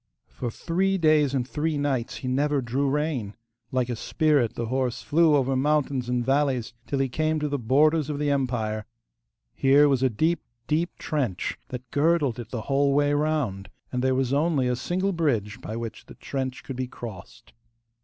For three days and three nights he never drew rein. Like a spirit the horse flew over mountains and valleys till he came to the borders of the empire. Here was a deep, deep trench that girdled it the whole way round, and there was only a single bridge by which the trench could be crossed.